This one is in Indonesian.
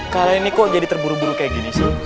kalian ini kok jadi terburu buru kayak gini sih